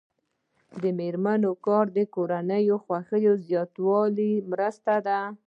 د میرمنو کار د کورنۍ خوښۍ زیاتولو مرسته ده.